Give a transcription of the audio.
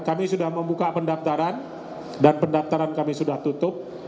kami sudah membuka pendaftaran dan pendaftaran kami sudah tutup